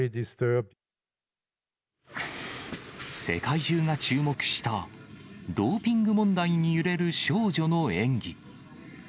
世界中が注目した、ドーピング問題に揺れる少女の演技。